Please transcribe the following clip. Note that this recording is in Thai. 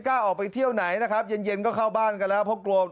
กล้าออกไปเที่ยวไหนนะครับเย็นเย็นก็เข้าบ้านกันแล้วเพราะกลัว